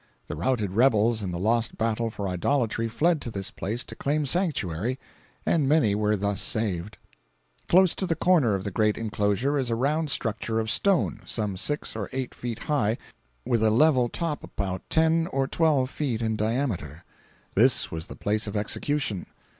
The routed rebels in the lost battle for idolatry fled to this place to claim sanctuary, and many were thus saved. Close to the corner of the great inclosure is a round structure of stone, some six or eight feet high, with a level top about ten or twelve in diameter. This was the place of execution.